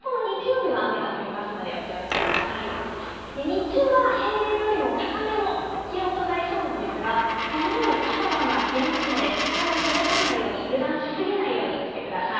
日中は平年よりも高めの気温となりそうなんですが、その分、朝晩は冷えますので、体冷やさないように、油断し過ぎないようにしてください。